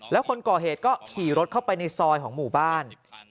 แล้วคนก่อเหตุก็ขี่รถเข้าไปในซอยของหมู่บ้าน